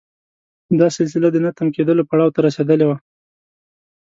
دا سلسله د نه تم کېدلو پړاو ته رسېدلې وه.